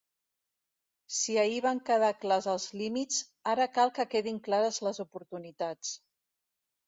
Si ahir van quedar clars els límits, ara cal que quedin clares les oportunitats.